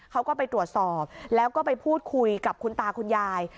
เขาก็ไปตรวจสอบแล้วก็ไปพูดคุยกับคุณตาคุณยาย